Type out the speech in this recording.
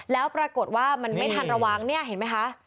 แล้วปรากฏว่ามันไม่ทันระวังเนี่ยเห็นไหมคะ